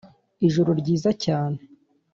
ijoro ryiza cyane